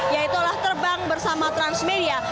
yaitu terbang bersama transmedia